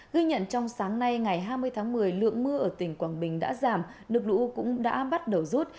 ghi nhận trong sáng nay ngày hai mươi tháng một mươi lượng mưa ở tỉnh quảng bình đã giảm nước lũ cũng đã bắt đầu rút